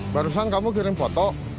barusan kamu kirim foto